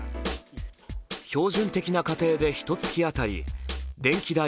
標準的な家庭でひとつき当たり電気代